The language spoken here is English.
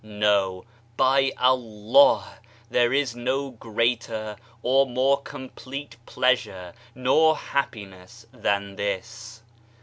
No, by Allah, there is no greater or more com plete pleasure nor happiness than this.